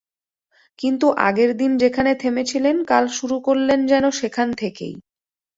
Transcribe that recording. কিন্তু আগের দিন যেখানে থেমেছিলেন, কাল শুরু করলেন যেন সেখান থেকেই।